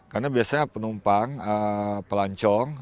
karena biasanya penumpang pelancong